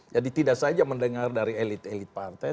jadi tidak saja mendengar dari elit elit partai